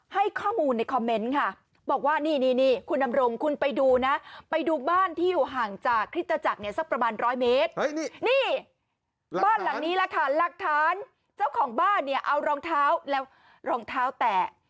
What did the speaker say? หลังนี้แหละค่ะหลักฐานเจ้าของบ้านเนี่ยเอารองเท้าแล้วรองเท้าแตะ